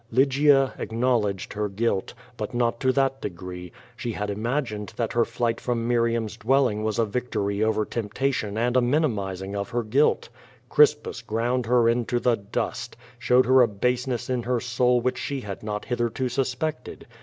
Lygia acknowledged her guilt, but not to that degree. She had imagined that her flight from Miriam's dweUing was a victory over temptation and a minimizing of her guilt. Crispus ground her into the dust, showed her a baseness in her soul which she had not hitherto suspected.